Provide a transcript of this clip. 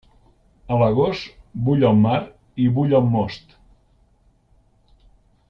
A l'agost bull el mar i bull el most.